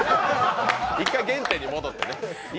１回原点に戻ってね。